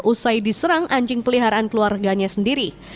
usai diserang anjing peliharaan keluarganya sendiri